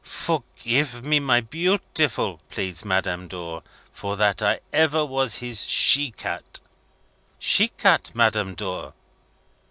"Forgive me, my beautiful," pleads Madame Dor, "for that I ever was his she cat!" "She cat, Madame Dor?